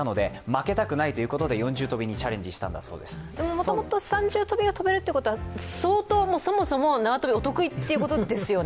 もともと三重跳びが跳べるということは相当そもそも縄跳び、お得意ってことですよね。